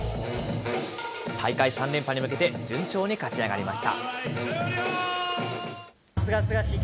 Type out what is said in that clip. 大会３連覇に向けて、順調に勝ち上がりました。